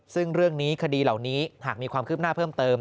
ซึ่งเรื่องนี้คดีเหล่านี้หากมีความคืบหน้าเพิ่มเติม